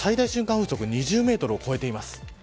風速２０メートルを超えています。